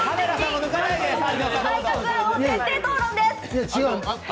抜本的改革案を徹底討論です。